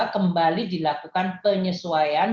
kembali dilakukan penyesuaian